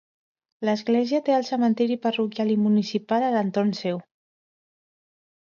L'església té el cementiri parroquial i municipal a l'entorn seu.